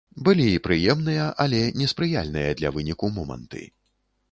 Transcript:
Былі і прыемныя, але неспрыяльныя для выніку моманты.